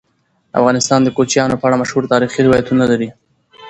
افغانستان د کوچیانو په اړه مشهور تاریخی روایتونه لري.